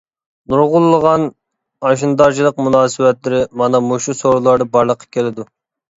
نۇرغۇنلىغان ئاشنىدارچىلىق مۇناسىۋەتلىرى مانا مۇشۇ سورۇنلاردا بارلىققا كېلىدۇ.